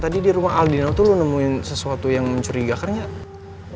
tadi di rumah aldinel tuh lo nemuin sesuatu yang mencurigakan gak